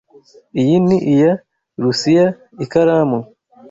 Iyi ni iya Luciaikaramu.